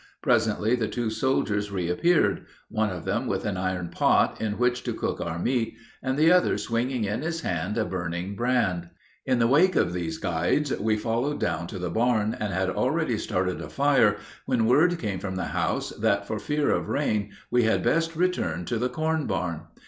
Presently the two soldiers reappeared, one of them with an iron pot in which to cook our meat, and the other swinging in his hand a burning brand. In the wake of these guides we followed down to the barn, and had already started a fire when word came from the house that for fear of rain we had best return to the corn barn.